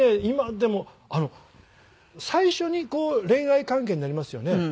今でも最初にこう恋愛関係になりますよね。